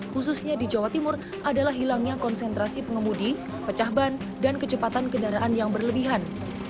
khususnya di jawa timur adalah hilangnya konsentrasi pengemudi pecah ban dan kecepatan kendaraan yang berlebihan